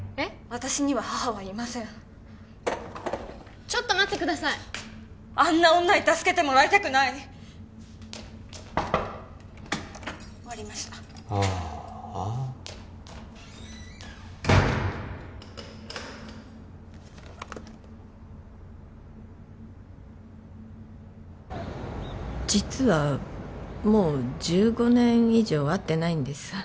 私には母はいませんちょっと待ってくださいあんな女に助けてもらいたくない終わりましたああ・実はもう１５年以上会ってないんです